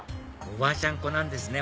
おばあちゃん子なんですね